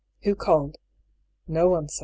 « Who called ?"" No one, sir."